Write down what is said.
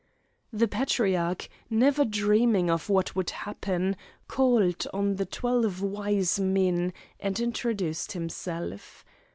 The Patriarch, never dreaming of what would happen, called on the twelve wise men and introduced himself.